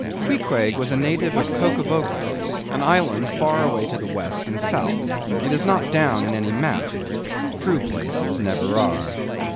Queequeg was a native of Rokovoko, an island far away to the West and South. It is not down in any map; true places never are.